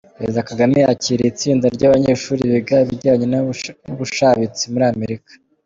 Perezida Kagame yakiriye itsinda ry’ abanyeshuri biga ibijyanye n’ ubushabitsi muri Amerika .